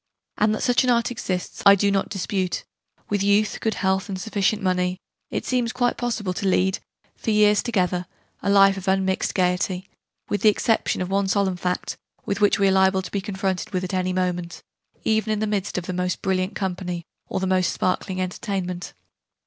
And that such an Art exists I do not dispute: with youth, good health, and sufficient money, it seems quite possible to lead, for years together, a life of unmixed gaiety with the exception of one solemn fact, with which we are liable to be confronted at any moment, even in the midst of the most brilliant company or the most sparkling entertainment.